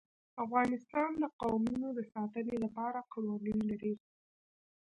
افغانستان د قومونه د ساتنې لپاره قوانین لري.